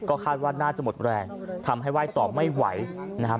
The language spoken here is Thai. คาดว่าน่าจะหมดแรงทำให้ไหว้ต่อไม่ไหวนะครับ